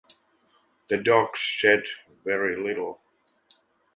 The dogs shed very little.